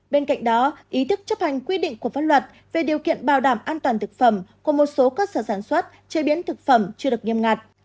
bên cạnh đó ý thức chấp hành quy định của pháp luật về điều kiện bảo đảm an toàn thực phẩm của một số cơ sở sản xuất chế biến thực phẩm chưa được nghiêm ngặt